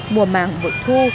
mùa màng vội thu